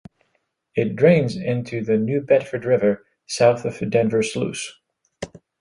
It drains into the New Bedford River south of Denver Sluice.